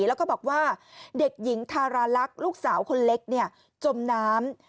แล้วก็บอกว่าเด็กหญิงทาราลักษณ์ลูกสาวคนเล็กจมน้ำ